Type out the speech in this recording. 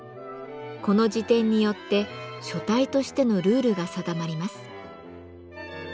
この字典によって書体としてのルールが定まります。